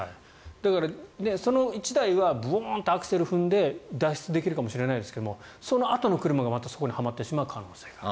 だから、その１台はブオーンとアクセルを踏んで脱出できるかもしれないですがそのあとの車がまたそこにはまってしまう可能性がある。